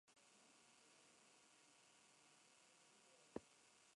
Está nombrado por Hera, una diosa de la mitología griega.